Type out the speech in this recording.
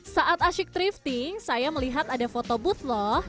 saat asyik thrifting saya melihat ada photobooth loh